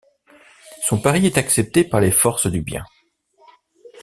Son pari est accepté par les forces du bien.